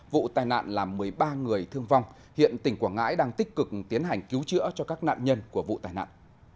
vụ tai nạn làm một mươi ba người thương vong hiện tỉnh quảng ngãi đang tích cực tiến hành cứu chữa cho các nạn nhân của vụ tai nạn